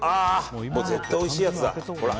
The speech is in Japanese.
絶対おいしいやつだ。